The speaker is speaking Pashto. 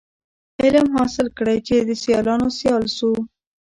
علم حاصل کړی چي د سیالانو سیال سو.